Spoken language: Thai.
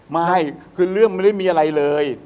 ไม่คือเรื่องไม่ได้มีอะไรเลย